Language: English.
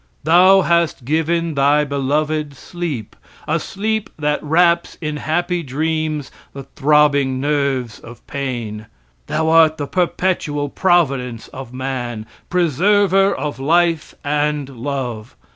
"Thou hast given thy beloved sleep" a sleep that wraps in happy dreams the throbbing nerves of pain. Thou art the perpetual providence of man preserver of life and love.